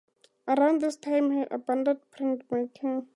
Around this time he abandoned printmaking.